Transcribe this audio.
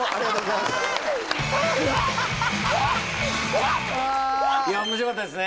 いや面白かったですね